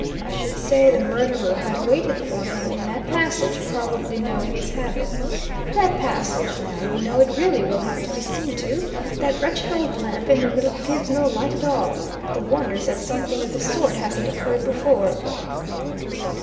I should say the murderer had waited for him in that passage, probably knowing his habits. That passage, now you know it really will have to be seen to! That wretched old lamp in the middle gives no light at all. The wonder is that something of this sort hasn't occurred before."